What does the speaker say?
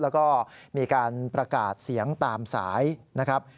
แล้วก็มีการประกาศเสียงตามสายนะครับ